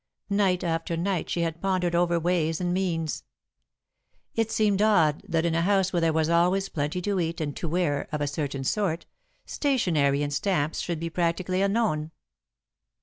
Night after night she had pondered over ways and means. It seemed odd that in a house where there was always plenty to eat and to wear, of a certain sort, stationery and stamps should be practically unknown.